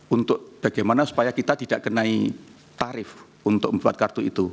untuk bagaimana supaya kita tidak kenai tarif untuk membuat kartu itu